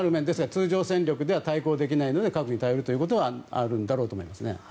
通常戦力では対抗できないので核に頼るというところはあるんだろうと思います。